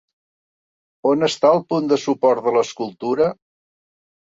On està el punt de suport de l'escultura?